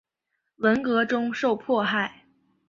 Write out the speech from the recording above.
文革中受迫害。